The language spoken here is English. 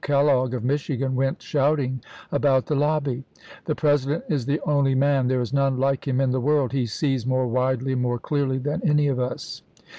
Kellogg of Michigan went shouting aoout the lobby :" The President is the only man. There is none like him in the Dec, 1863. world. He sees more widely and more clearly than any of us."